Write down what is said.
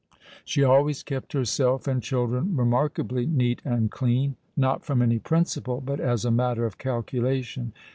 She always kept herself and children remarkably neat and clean—not from any principle, but as a matter of calculation.